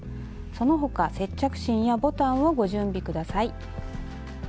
その他接着芯やボタンをご準備下さい。